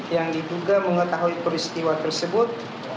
yang diduga mengetahui peristiwa tersebut